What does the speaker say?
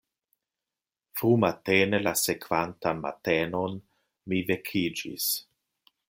Frumatene la sekvantan matenon mi vekiĝis.